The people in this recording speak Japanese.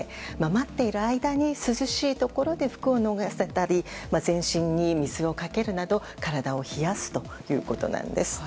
待っている間に涼しいところで服を脱がせたり全身に水をかけるなど体を冷やすということなんです。